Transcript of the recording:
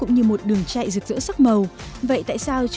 nó ngay một lúc